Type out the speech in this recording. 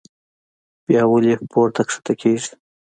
بيا ولې پورته کښته کيږي